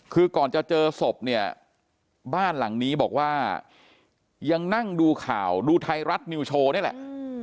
คือก่อนจะเจอศพเนี่ยบ้านหลังนี้บอกว่ายังนั่งดูข่าวดูไทยรัฐนิวโชว์นี่แหละ